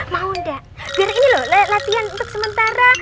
mau nggak biar ini lho latihan untuk sementara